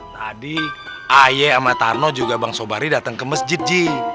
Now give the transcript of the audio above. tadi aye sama tarno juga bang sobari datang ke masjid ji